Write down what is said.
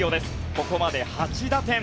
ここまで８打点。